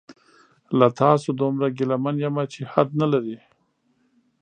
له تاسو دومره ګیله من یمه چې حد نلري